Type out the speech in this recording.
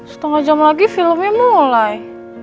setengah jam lagi filmnya mulai